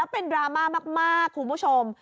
เป็นดราม่ามากคุณผู้ชม